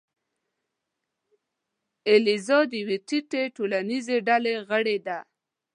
الیزا د یوې ټیټې ټولنیزې ډلې غړې ده.